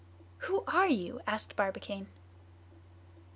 "Who are you?" asked Barbicane.